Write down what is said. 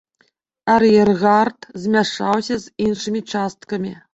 Ар'ергард змяшаўся з іншымі часткамі.